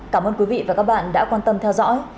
cảm ơn quý vị và các bạn đã quan tâm theo dõi